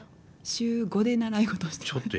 週５で習い事してました。